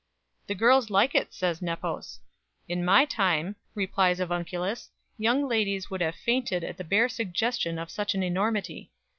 "The girls like it," says Nepos. "In my time," replies Avunculus, "young ladies would have fainted at the bare suggestion of such an enormity."